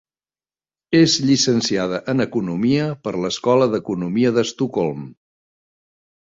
És llicenciada en economia per l'Escola d'Economia d'Estocolm.